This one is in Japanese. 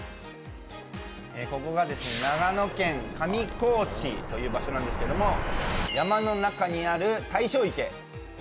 ここが長野県上高地という場所なんですけれども、山の中にある大正池。